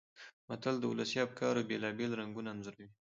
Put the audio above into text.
متل د ولسي افکارو بېلابېل رنګونه انځوروي